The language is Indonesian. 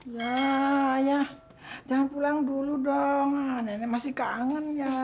ya ya jangan pulang dulu dong ini masih kangen ya